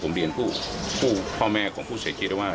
ผมเรียนผู้พ่อแม่ของผู้เสียชีวิตแล้วว่า